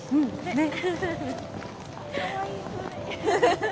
ねっ。